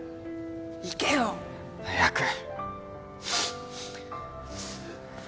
行けよ。早く。